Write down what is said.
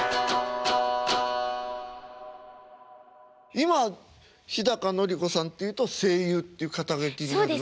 今日のり子さんっていうと声優っていう肩書なるの？